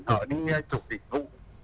họ đi chụp định vụ